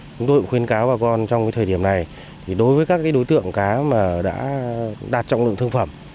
chúng tôi cũng khuyên cáo bà con trong thời điểm này đối với các đối tượng cá mà đã đạt trọng lượng thương phẩm